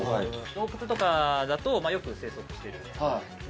洞窟とかだとよく生息しているんですね。